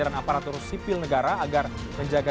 aparatur sipil negara agar menjaga